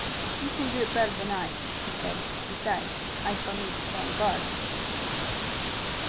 "You can do it better than I," he said. "Besides, I shall need to stand guard."